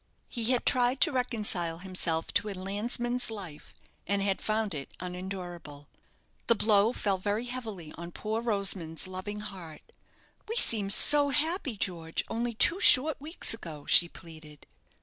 He had tried to reconcile himself to a landsman's life, and had found it unendurable. The blow fell very heavily on poor Rosamond's loving heart. "We seemed so happy, George, only two short weeks ago," she pleaded.